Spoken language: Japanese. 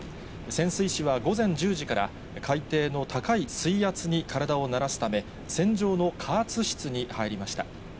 潜水士は午前１０時から、海底の高い水圧に体を慣らすため、船上の加圧室に入りました。